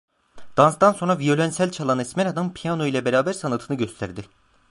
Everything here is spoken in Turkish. Danstan sonra, viyolonsel çalan esmer adam, piyano ile beraber sanatını gösterdi.